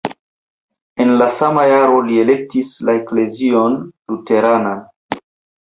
En la sama jaro li elektis la eklezion luteranan.